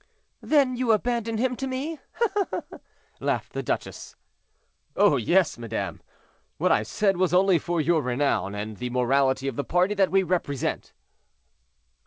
"Then you abandon him to me?" laughed the duchess. "Oh! yes, madame. What I said was only for your renown, and the morality of the party that we represent."